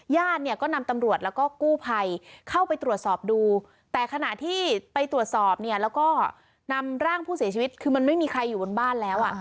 ญาติเนี่ยก็นำตำรวจแล้วก็กู้ภัยเข้าไปตรวจสอบดูแต่ขณะที่ไปตรวจสอบเนี่ยแล้วก็นำร่างผู้เสียชีวิตคือมันไม่มีใครอยู่บนบ้านแล้วอ่ะ